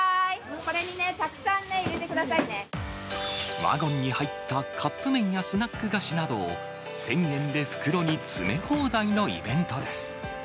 これにね、ワゴンに入ったカップ麺やスナック菓子などを、１０００円で袋に詰め放題のイベントです。